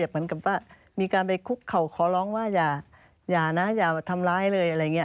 เหมือนกับว่ามีการไปคุกเข่าขอร้องว่าอย่านะอย่าทำร้ายเลยอะไรอย่างนี้